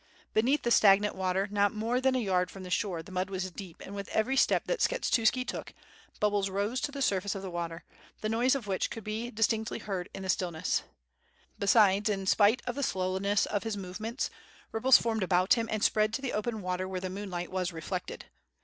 Beneath the stagnant water not more than a yard from the shore, the mud was deep, and with every step that Skshetuski took, bubbles rose to the surface of the water, the noise' of which could be distinctly heard in the stillness; besides, in spite of the slowness of his movements ripples formed about him and spread to the open water where the moonlight was reflected.